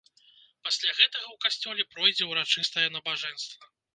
Пасля гэтага ў касцёле пройдзе ўрачыстае набажэнства.